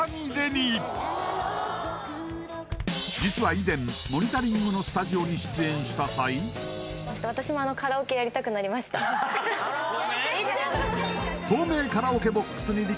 実は以前「モニタリング」のスタジオに出演した際透明？